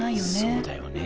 そうだよね